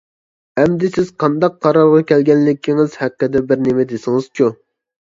ئەمدى سىز قانداق قارارغا كەلگەنلىكىڭىز ھەققىدە بىر نېمە دېسىڭىزچۇ!